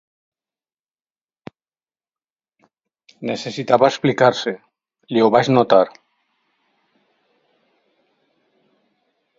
Necessitava explicar-se, li ho vaig notar.